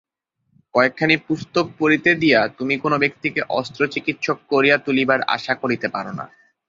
কয়েকখানি পুস্তক পড়িতে দিয়া তুমি কোন ব্যক্তিকে অস্ত্রচিকিৎসক করিয়া তুলিবার আশা করিতে পার না।